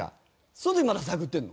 その時まだ探ってるの？